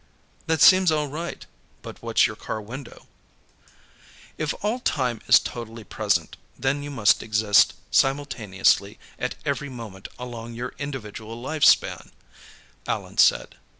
"That seems all right. But what's your car window?" "If all time is totally present, then you must exist simultaneously at every moment along your individual life span," Allan said.